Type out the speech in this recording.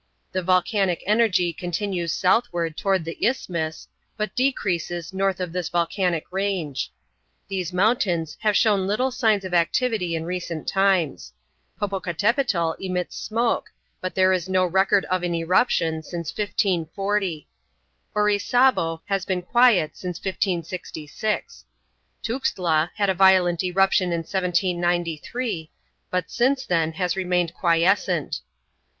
The volcanic energy continues southward toward the Isthmus, but decreases north of this volcanic range. These mountains have shown little signs of activity in recent times. Popocatapetl emits smoke, but there is no record of an eruption since 1540. Orizabo has been quiet since 1566. Tuxtla had a violent eruption in 1793, but since then has remained quiescent.